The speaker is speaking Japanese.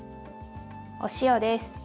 お塩です。